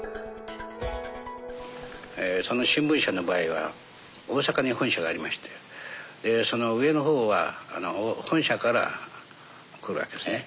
その新聞社の場合は大阪に本社がありましてその上の方は本社から来るわけですね。